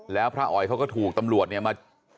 แล้วพระอ๋อยเขาก็ถูกตำรวจเนี่ยมา